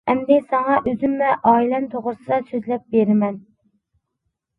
ئەمدى ساڭا ئۆزۈم ۋە ئائىلەم توغرىسىدا سۆزلەپ بېرىمەن.